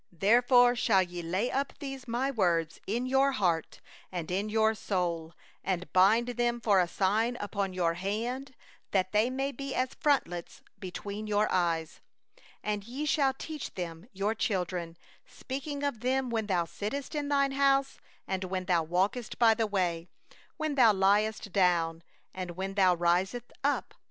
18Therefore shall ye lay up these My words in your heart and in your soul; and ye shall bind them for a sign upon your hand, and they shall be for frontlets between your eyes. 19And ye shall teach them your children, talking of them, when thou sittest in thy house, and when thou walkest by the way, and when thou liest down, and when thou risest up.